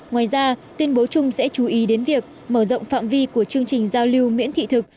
ngoài ra tuyên bố chung sẽ chú ý đến việc mở rộng phạm vi của chương trình giao lưu miễn thị thực